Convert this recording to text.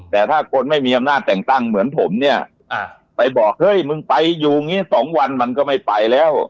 แต่ถ้าคนไม่มีอำนาจแต่งตั้งเหมือนผมเนี่ยไปบอกเฮ้ยมึงไปอยู่อย่างนี้๒วันมันก็ไม่ไปแล้ว